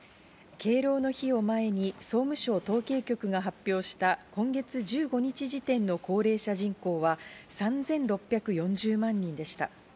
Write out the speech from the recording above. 敬老の日を前に総務省統計局が発表した今月１５日時点の高齢者人口は３６４０万人でした。